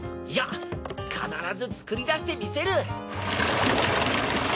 いや必ず作り出してみせる！